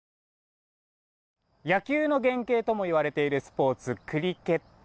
野球の原型ともいわれているスポーツクリケット。